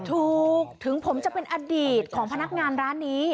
ถึงผมจะเป็นอดีตของพนักงานร้านนี้